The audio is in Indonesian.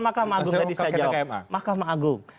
mahkamah agung tadi saya jawab mahkamah agung